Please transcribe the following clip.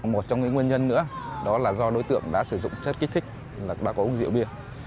một trong những nguyên nhân nữa đó là do đối tượng đã sử dụng chất kích thích là đã có uống rượu bia